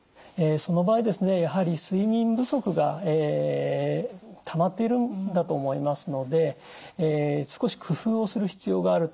その場合ですねやはり睡眠不足がたまっているんだと思いますので少し工夫をする必要があると思います。